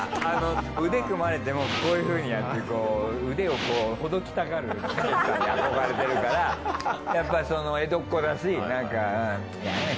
腕組まれてもこういうふうにやって腕をほどきたがるたけしさんに憧れてるからやっぱり江戸っ子だし。